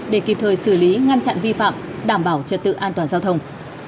để kịp thời xử lý ngăn chặn vi phạm đảm bảo trật tự an toàn giao thông